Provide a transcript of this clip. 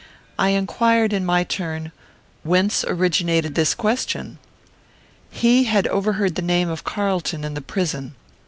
I inquired in my turn, "Whence originated this question?" He had overheard the name of Carlton in the prison.